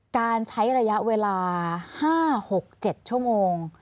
การใช้ระยะเวลา๕๖๗ชั่วโมง